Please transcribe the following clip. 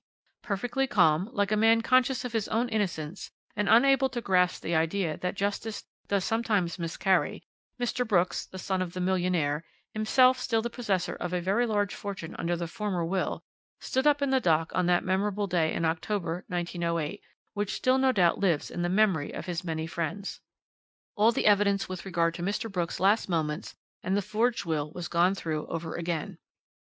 Perfectly calm, like a man conscious of his own innocence and unable to grasp the idea that justice does sometimes miscarry, Mr. Brooks, the son of the millionaire, himself still the possessor of a very large fortune under the former will, stood up in the dock on that memorable day in October, 1908, which still no doubt lives in the memory of his many friends. "All the evidence with regard to Mr. Brooks' last moments and the forged will was gone through over again.